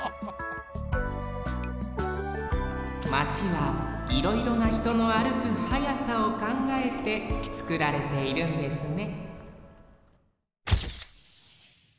マチはいろいろなひとの歩く速さをかんがえてつくられているんですね